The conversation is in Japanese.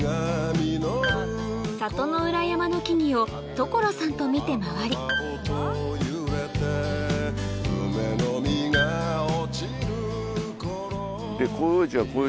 里の裏山の木々を所さんと見て回り広葉樹は。